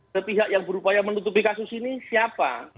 sepihak yang berupaya menutupi kasus ini siapa